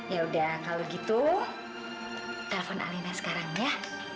yaudah kalau gitu telepon alina sekarang ya